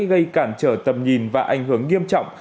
gây cản trở tầm nhìn và ảnh hưởng nghiêm trọng